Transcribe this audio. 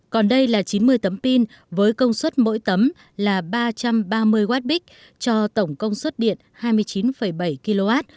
còn đây là chín mươi tấm pin với công suất mỗi tấm là ba trăm ba mươi wb cho tổng công suất điện hai mươi chín bảy kw